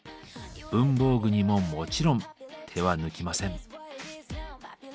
文房具にももちろん手は抜きません。